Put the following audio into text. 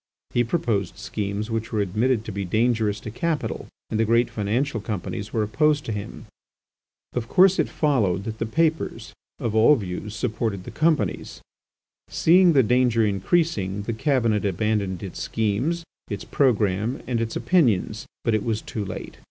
He proposed schemes which were admitted to be dangerous to capital, and the great financial companies were opposed to him. Of course it followed that the papers of all views supported the companies. Seeing the danger increasing, the Cabinet abandoned its schemes, its programme, and its opinions, but it was too late.